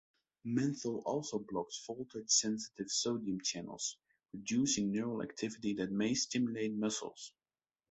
Menthol also blocks voltage-sensitive sodium channels, reducing neural activity that may stimulate muscles.